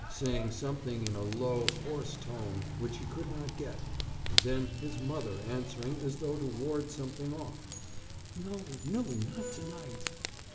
saying something in a low, hoarse tone, which he could not get, and then his mother answering as though to ward something off: "No, no, not tonight!"